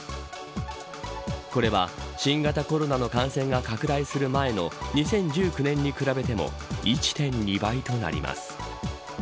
これは新型コロナの感染が拡大する前の２０１９年に比べても１．２倍となります。